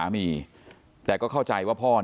ทีนี้ก็ต้องถามคนกลางหน่อยกันแล้วกัน